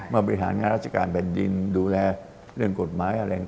บริหารงานราชการแผ่นดินดูแลเรื่องกฎหมายอะไร